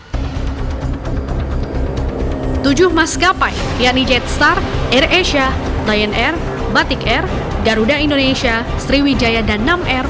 tujuh maskapai yakni jetstar air asia lion air batik air garuda indonesia sriwijaya dan nam air